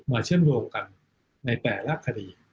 มาเชื่อมรวมกันในแต่ละคดี